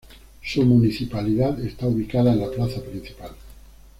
Su municipalidad está ubicada en la Plaza principal.